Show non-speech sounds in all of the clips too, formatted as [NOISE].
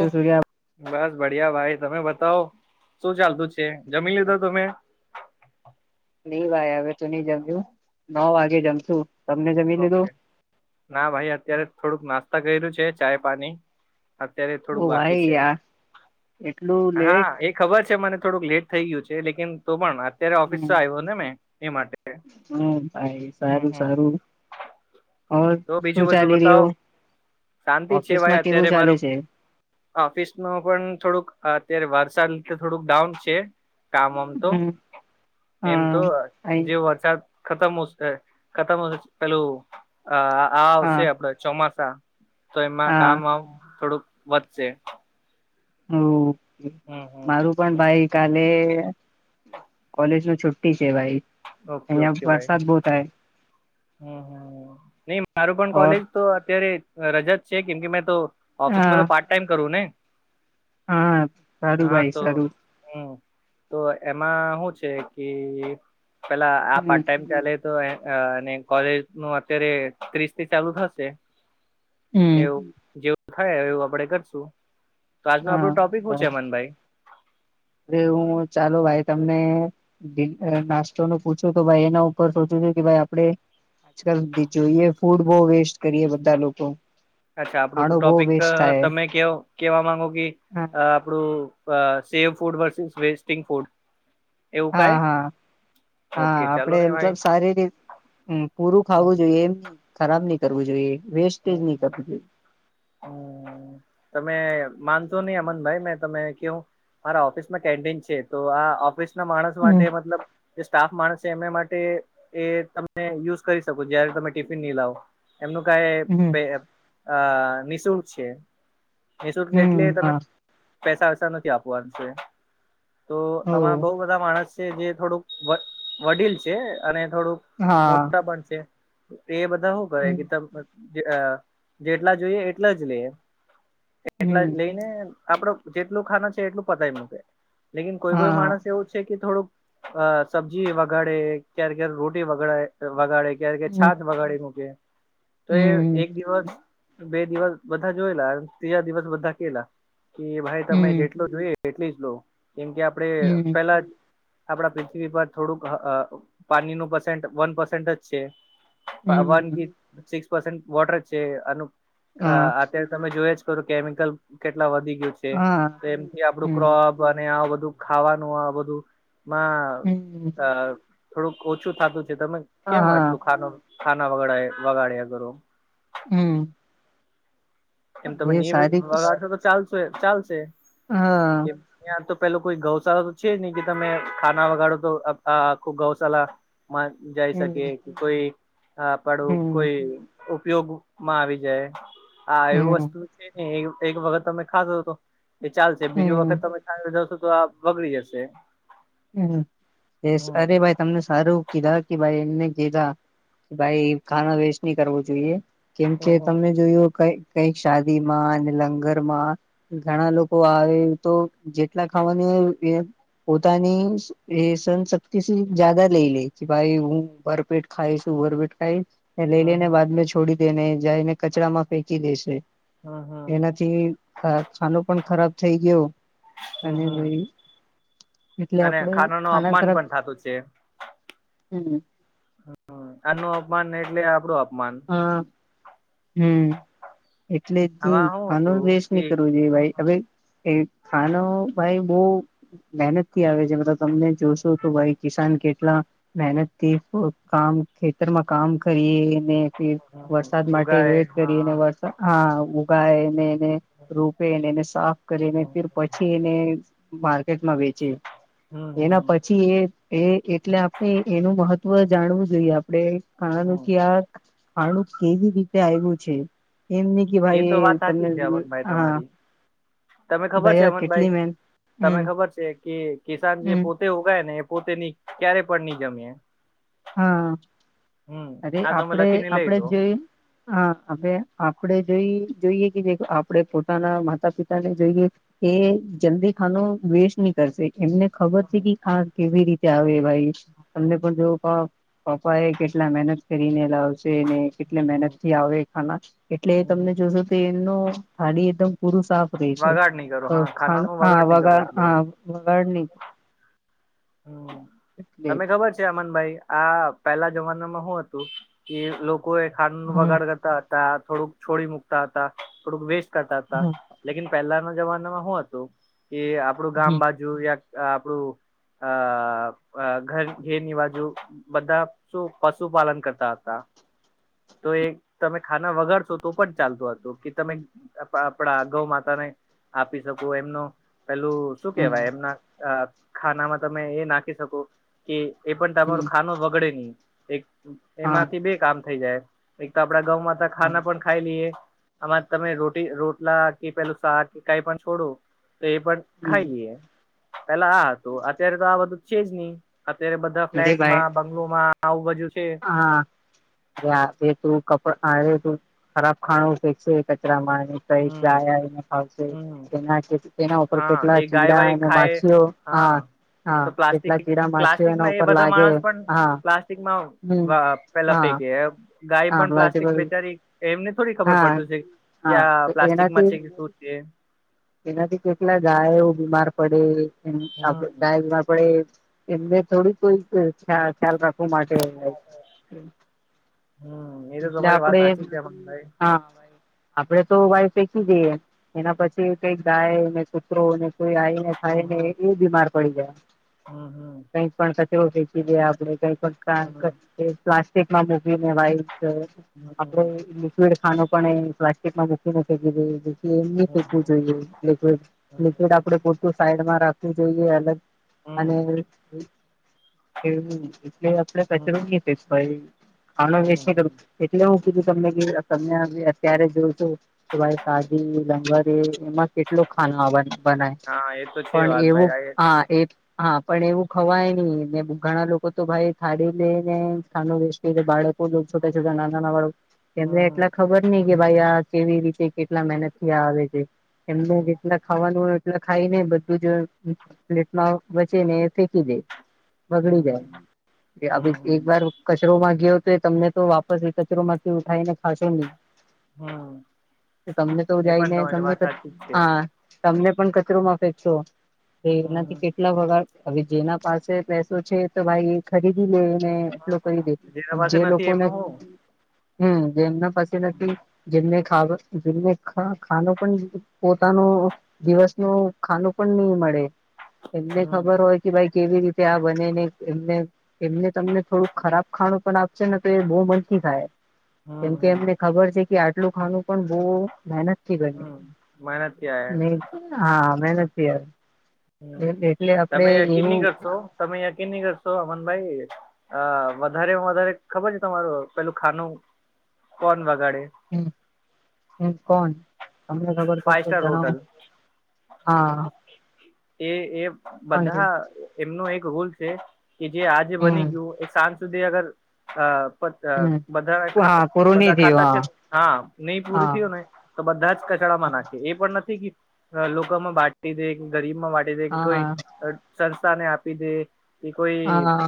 વિ [INAUDIBLE] બસ બડિયા ભાઈ, તમે બતાવ શું ચાલતું છે? જમી લીધો તમે? નઈ બાય હજી તો નહી જમ્યું નવ વાગે જમશું. તમને જમી લીધું ઓકે ના ભાઈ અત્યારે થોડુંક નાસ્તા કરેલું છે ચાય પાની. અત્યારે થોડું ઓ બાકી ભાઈ છે, યાર એટલું હા લેટ એક ખબર છે મને થોડુંક લેટ થઈ ગયું છે. લેકન તો પણ અત્યારે ઓફિસ હમ આવ્યો ને મેં એ માટે હમ ભાઈ હમ સારું હમ સારું! ઓર તો બીજું શું બધું ચાલી બતાવો રહ્યું શાંતિ છે ભાઈ ઓફિસમાં કેવું અત્યારે ચાલે મારું? છે ઓફિસ ન પણ થોડુંક અત્યારે વરસાદ થોડુંક ડાઉન છે. કામમ તો હમ એમ હા તો અહી જે વરસાદ ખતમશે ખતમ પેલું આ હા આવશે આપડે ચોમાસા તો એમાં કામ હા આમ થોડુંક વધશે. ઓકે હમ હમ મારું પણ ભાઈ કાલે કોલેજ નું છુટ્ટી છે ભાઈ. ઓકે અહિયાં ઓકે ભાઈ વરસાદ બહુ થાય હમ હમ નહી મારું પણ ઓર કોલેજ તો અત્યારે રજા છે. કેમ કે મેં તો ઓફિસમાં હા તો પાર્ટ ટાઈમ કરું ને? હા સારું હા ભાઈ તો સારું હમ તો એમાં શું છે કે પેલા આ હમ પાર્ટ ટાઈમ ચાલે તો અને કોલેજ નું અત્યારે ત્રીસ થી ચાલુ થશે. હમ એવું જેવું થાય એવું આપડે કરશું તો આજનો હા આપણું ટોપિક શું છે અમનભાઈ અ હું ચાલો ભાઈ તમને નાસ્તો નું પૂછું તો ભાઈ એના ઉપર સોચું છું કે ભાઈ આપડે. આજકાલ સુધી જોઈએ ફૂડ બહુ વેસ્ટ કરીએ બધા લોકો અચ્છા આપડું તો ખાણું બહુ ટોપિક વેસ્ટ થાય તમે કે કેવા માંગો કે હા આપડું save food versus wasting food એવું હા કાય હા. હા ઓકે ચાલો આપડે ને ભાઈ એમતલબ સારી રીત અ પૂરું ખાવું જોઈએ એમ. ખરાબ ની કરવું જોઈએ વેસ્ટેજ ની કરવું જોઈએ. તમે માનશો ની અમન ભાઈ મેં તમે કેવું મારા ઓફિસમાં કેન્ટીન છે તો આ ઓફિસ ના માણસ માટે હમ મતલબ જે સ્ટાફ માણસ છે એમને માટે એ તમે યુઝ કરી શકો. જયારે તમે ટિફિન ની લાવો એમનું કાઈ હમ પે એમ આ નિઃશુલ્ક છે નિઃશુલ્ક એટલે હમ તમે હા પૈસા વૈસા નથી આપવાનું છે તો આમાં ઓ બઉ બધ ધા માણસ છે જે થોડુંક વ વડીલ છે અને થોડુંક હા મોટા પણ છે. એ બધા હું કરે કે હમ તમ જ અ જેટલા જોઈએ એટલા જ લેએ એમ. એટલા જ હમ લઈને આપડો જેટલું ખાના છે એટલું પતાય મૂકે. લેકીન કોઈ કોઈ હા માણસ એવું છે કે થોડુંક અ સબ્જી વઘાડે ક્યારે ક્યારે રોટી વગડાય વગાડે. ક્યારે કે છાત હમ બગાડી મૂકે. તો એ હમ એક દિવસ બે દિવસ બધા જોયલા ત્રીજા દિવસ બધા કેલા કે ભાઈ તમે હમ જેટલો જોઈએ એટલી જ લો કેમ કે આપડે હમ પેલા જ. આપડા પૃથ્વી પર થોડુંક અ પાની નું પસેન્ટ વન પસેન્ટ જ છે. વન હમ ફીફત સિક્સ પસેન્ટ વોટર જ છે અનુપ અ હા અત્યારે તમે જોય જ કરો કેમિકલ કેટલા વધી ગયું છે. હા તો એમથી આપડું હમ ક્રોપ વને આ બધું ખાવાનું આ બધું માં હમ અ થોડુંક ઓછું થાતું છે તમે કેમ હા આટલું ખાનો ખાના વગડાય વગાડ્યા કરો. હું. એમ તમે નિવી સારી વગાડશો તો ચાલશો એ ચાલશે. હા. ત્યાં તો પેલો કોઈ ગૌશાળા તો છે નઈ કે તમે ખાના વગાડો તો અપ આખું ગૌશાલા માં જઈ શકે હમ કોઈ અ પાડું હમ કોઈ ઉપયોગ માં આવી જાય. હા એવું હમ વસ્તુ છે ને એક વખત તમે ખાધો તો એ ચાલશે. બીજુ હમ વખત તમે [INAUDIBLE] તો આ બગડી જશે. હું દેશ હમ અરે ભાઈ. તમને સારું કીધા કે ભાઈ એમને કીધા કે ભાઈ ખાના વેસ્ટ ની કરવો જોઈએ. કેમ કે હમ હમ તમે જોયું કઇ કઈક શાદી માં ને લંગર માં ઘણા લોકો આવે તો જેટલા ખાવાની હોય એવું ઓપિયે મ. તનીશ. એ સન શક્તિથી જાદા લઈ લે ભાઈ હું ભરપેટ ખાઈશું ભરપેટ ખાઈશ. લઈ હમ લઈને હમ બાદ છોડી દે ને જાયને કચરામાં ફેંકી દેશે. હમ હમ. થી ખાનો પણ ખરાબ થઈ ગયો, હમ અને હમ એટલે અને આપડે ખાનાનું ખાના અપમાન ખરાબ પણ થાતું છે. હમ [INAUDIBLE] આનું અપમાન એટલે આપડું અપમાન, હા હું. એટલે તી આમાં શું હતું પાનું વેસ્ટ ની કરવો જોઈએ વાઈ અવે. એ ખાનો ભાઈ બો મહેનત થી આવે છે મતલબ તમને જોશો તો વાઈ કિસાન કેટલા મહેનતથી કામ ખેતરમાં કામ કરીએ ઇને. વરસાદ કે માટે ઉગાય વેટ હા કરીયેને વરસાદ હા, ઉગાયને એને રોપે એને સાફ કરીને ફિર હા પછી એને માર્કેટમાં વેચે હમ એના હમ પછી, એ એ એટલે આપણે એનું મહત્વ જાણવું જોઈએ, આપડે ખાણાનું હમ ક્યાર ખાણું કેવી રીતે આયવું છે, એમ ની કે ભાઈ તો વાત એ સાચી તમને છે અમનભાઈ હા તમારી તમે ખબર ભાઈ છે આ અમનભાઈ કેટલી મેન તમે હમ ખબર છે, કે કિસાન જે હમ પોતે તે ઉગાય ને પોતેની ક્યારે પણ નહી જમે હા, અરે આપડે લખીને લઈ આપડે લો જો હા, હવે આપડ જોઈ જોઈએ કે જે આપણે પોતાના માતા પિતા ને જોઈએ, કે જલ્દી ખાનો વેસ્ટ ની એમને ખબર છે, હમ કે આ કેવી રીતે આવે ભાઈ તમને હમ પણ જો પપ્પા એ કેટલા મહેનત કરીને લાવશેને કેટલે મહેનત થી આવે એ ખાના એટલે હમ હમ તમને જોશો તો એનું થાળી એકદમ પૂરું સાફ છે, વગાડ નહી કરો હા ખાના નું ખા વગાડ નહી કરો એટલું વગા વગાડની હમ્મ એટલે તમે ખબર છે, અમનભાઈ આ પેલા જમાનામાં હું હતું કે લોકો એ ખાંડ નું હમ બગાડ કરતા થોડુંક છોડી મુકતા હતા થોડુંક વેસ્ટ કરતા હતા, હમ લેકિન પહેલાના જમાનામાં હું હતું કે આપડું ગામ હમ બાજુ યા આપણું અ ઘર ઘે નિવાજુ બધા શું પશુપાલન કરતા હતા, તો એક તમે ખાના વગાડશો તો પણ ચાલતો હતો, કે તમે આપણા ગૌ માતા ને આપી શકું એમનો પેલું શું હમ કેવાય એમના ખાનામાં તમે એ નાખી શકો. કે એ પણ તમારો હમ ખાનો વગડે નહી, એક હા એમાંથી બે કામ થઈ જાય. એક તો આપડા ગઉં માં તો હા ખાના પણ ખાઈ લઈએ, આમાં તમે રોટી રોટલા કે પેલું શાક કે કઈ પણ છોડો તો એ પણ હમ ખાઈ લઈએ પેલા આ હતું. અત્યારે તો બધું છે જ નહી, અત્યારે બધા અરે ભાઈ ફ્લેટમાં બંગ્લોમાં આવું બાજુ છે. હા અરે આ તું કપડા આ તું ખરાબ ખાણું ફેંકશે કચરામાં હમ ગયા એ ખાવશે હમ એના એના ઉપર હા કેટલા એ ગાય ચીડા વાય અને ખાય માછીઓ, હા હા તો કેટલા પ્લાસ્ટિક ચીડા માછીઓ એના પ્લાસ્ટિકમાં એ ઉપર બધા લાગે માણસ પણ હા પ્લાસ્ટિકમાં હમ વાહ પેલા હા ફેંકી ગાય હા પણ પ્લાસ્ટિક બધી બેચારી એમને થોડી ખબર હા પડત છે, હા કયા તો પ્લાસ્ટિક મરચ એનાથી સુર છે, એનાથી કેટલા ગાયો બીમાર પડે હમ ગાય બીમાર પડે એમને થોડીક કોઈ ખ્યાલ રાખવા માટે, હમ એ તો એટલે તમારી વાત આપડે સાચી છે ભાઈ હા, આપડે તો વાઈ ફેંકી જઈએ, એના પછી કઈક ગાય કૂતરોને કોઈ આવી ખાઈને એ બીમાર પડી જાય, હમ્મ હમ્મ કઈ પણ કચરો ફેંકી દીએ ગયા હમ આપડે [UNINTELLIGIBLE] પ્લાસ્ટિકમાં મૂકીને વાઇટ અ હમ આપડે હમ લિક્વિડ ખાનું પણ એ પ્લાસ્ટિક માં મુકીને ફેકી દે એમને ફેકવું હમ જોઈએ, એટલે કે લિકવિડ આપડે ખટું સાઈડમાં રાખવું જોઈએ, અલગ હમ અને એ એટલે આપણે પાસે રવ ન હમ ભાઈ ખા વચ ન કરું, હમ એટલે હું કીધું તમને તમે અત્યારે જોઉં છું કે ભાઈ સાદી લંગર એમાં કેટલો ખા બનાય હા એ તો છે પણ વાત એવું ભાઈ હા, એ હા પણ એવું ખવાય નહી ઘણા લોકો તો ભાઈ થાળી લે ને ખાનું વચ બાળક- છોટા હમ છોટા નાના ના વાળું એને હમ એટલા ખબર નહ કે ભાઈ આ કેવી રીતે- કેટલા મહેનત થી આવે છે એમને જે- ખાવાનું એટલે ખાઈ ને બધું જ પ્લેટમાં બચે ને ફેંકી દે- બગડી હમ હમ જાય હમ એક હમ વાર- કચરો માં ગયો તો એ તમને તો વાપસ એ કચરો માંથી ઉઠાવી ને ખાશો નહી- હમ તમને તો એ પણ જાયને તમારી તને વાત તો સાચી જ છે. હા- તમને પણ કચરોમાં ફેંકશો કે એનાથી હમ કેટલા વગા- હવે જેના પાસે પૈસો છે તો ભાઈ એ- ખરીદી લેને એટલો કરી દે જેના પાસે જે નથી લોકોને- એમનું હું હમ્મ જેમના પાસે નથી જેમને ખ ખાનો- પણ પોતાનું દિવસ નું ખાનું પણ નહી મળે. એમને હમ ખબર હોય કે ભાઈ કેવી રીતે આ બનેને એમને- એમને તમને થોડુંક ખરાબ ખાણું પણ આપશે ને તો એ બહુ મનથી ખાય. હમ કેમકે હમ એમને ખબર છે કે આટલું ખાનું પણ બહુ મહેનત- થી બને હમ્મ મહેનત થી આયે- ને હા મહેનત થી આવે હમ એટલે આપડે તમે યકીન નહી એવું. કરશો તમે યકીન નહીં કરશો અમન ભાઈ. અ વધારેમાં વધારે ખબર છે તમારું પેલું ખાનું કોણ વગાડે- હમ્મ હમ્મ કોણ તમને ખબર છે. ફાઈવ તો સ્ટાર જણાવો? હોટલ હા. એ એ કોણ બધા- એમનો એક રૂલ છે કે જે આજે હમ બની ગયું એ સાંજ સુધી અગર- અ બધ હમ હા પૂરું નહી બધા ખાતા છે થયું હા ને હા પૂર થયું ને- તો બધા જ કચડામાં નાખે એ પણ નથી. [UNINTELLIGIBLE] લોકોમાં બાટી દે કે ગરીબ માં બાટી દે કે હા કોઈ સંસ્થાને આપી દે- એ કોઈ હા હા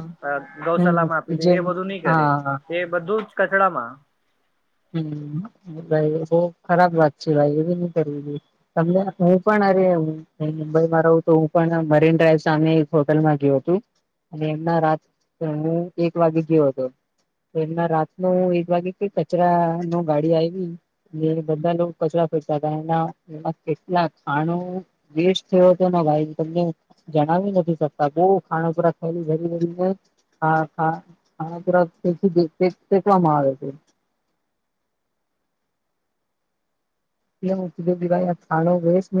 ગૌ સાલા માં હમ આપી દે જેમ એ બધું નહી કરે. હા એ બધું જ કચરામાં. હમ્મ ભાઈ બહ ખરાબ વાત છે ભાઈ એ ભી ની કરવી જોએ- તમને હું પણ અરે હું. હ મુંબઈમાં રહું તો હું પણ મરીન ડ્રાઈવ સામે એક હોટલમાં ગ્યો હતો. અને એમના રાત [INAUDIBLE] એક વાગ્યે ગ્યો હતો. તો એમાં રાત નું એક વાગે કે કચરા નું ગાડી આયવી- એ બધા લોકો કચરા ફકતા તા એના એમાં કેટલા ખાણું- વસ્ટ થયો હતો ને ભાઈ તમને- જણાવી નથી શકતા એવું ખાણુંપુરા ખાયલી ભરી ભરીને- [UNINTELLIGIBLE] ફેંકવા માં આવે છે. [UNINTELLIGIBLE] ખાણું વેસ ને-